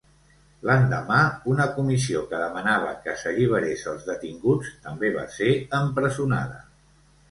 L'endemà una comissió que demanava que s'alliberés els detinguts, també va ser empresonada.